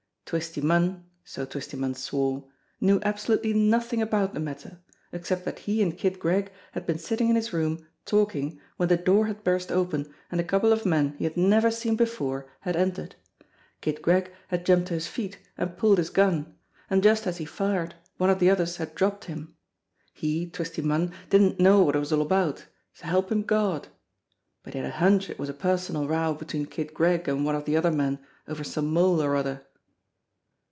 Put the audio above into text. Twisty Munn, so Twisty Munn swore, knew absolutely nothing about the matter, except that he and Kid Gregg had been sitting in his room talking when the door had burst ooen and a couple oi men he had never seen before had THE CALL OF THE NIGHT 221 entered. Kid Gregg had jumped to his feet and pulled his gun, and just as he fired one of the others had dropped him. He, Twisty Munn, didn't know what it was all about, s'help him God ! but he had a hunch it was a personal row between Kid Gregg and one of the other men over some moll or other.